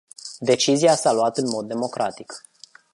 Decizia s-a luat în mod democratic.